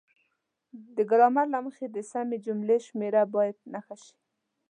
د ګرامر له مخې د سمې جملې شمیره باید نښه شي.